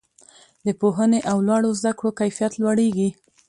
د پوهنې او لوړو زده کړو کیفیت لوړیږي.